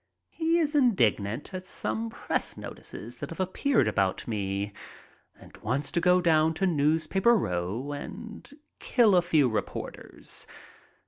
He is indignant at some press notices that have appeared about me and wants to go down to newspaper row and kill a few reporters.